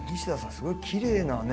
すごいきれいなね